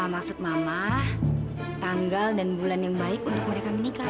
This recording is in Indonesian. maksud mama tanggal dan bulan yang baik untuk mereka menikah